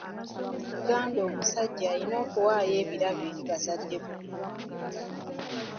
Mu Uganda omusajja alina okuwayo ebirabo eri abazadde b'omuwala.